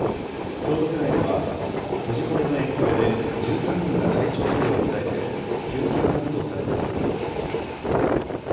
京都府内では閉じ込めの影響で１３人が体調不良を訴えて救急搬送されたということです。